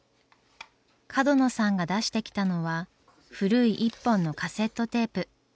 角野さんが出してきたのは古い一本のカセットテープ。